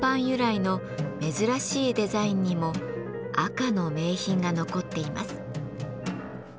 由来の珍しいデザインにも赤の銘品が残っています。